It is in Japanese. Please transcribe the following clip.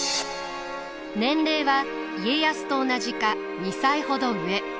年齢は家康と同じか２歳ほど上。